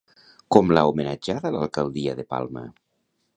Com l'ha homenatjada l'alcaldia de Palma?